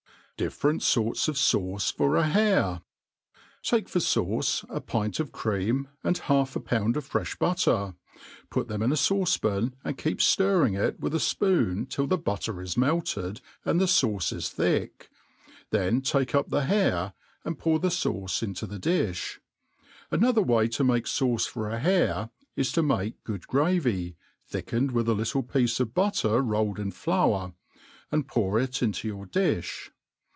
*' Dtffereni forts of Sauce for a M?H?, '"^ TAKE for fauVe, a pint oTcream and hffl^a pound»of fi^fli butter; put them in a fauce pan, and keep flrirring it'witha fpoon till the butter is melted, and the fauce is thick ; then take iip the' hare, and dour the feuce irito the difli.* Anxjther way to make fauce for a hare is, to entice g6od gravy, thickenedi with a little piece of butter rolled in Hour, and pour it JiUQ your di(h.